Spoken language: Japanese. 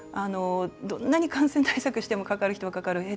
どんなに感染対策してもかかる人は、かかる。